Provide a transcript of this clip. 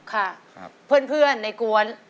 ค่ะเพื่อนในกวน